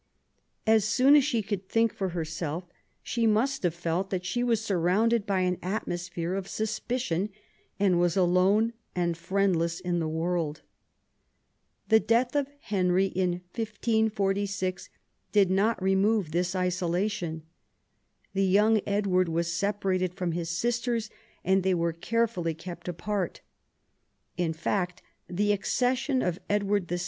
As soon as she could think for herself, she must have felt that she was surrounded by an atmosphere of suspicion, and was alone and friendless in the world. The death of Henry, in 1546, did not remove this isolation. The young Edward was separated from his sisters ; and they were carefully kept apart. In fact, the accession of Edward VI.